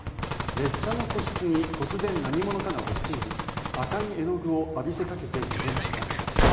列車の個室に突然、何者かが押し入り赤い絵の具を浴びせかけて逃げました。